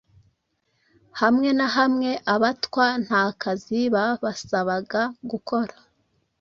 Hamwe na hamwe Abatwa nta kazi babasabaga gukora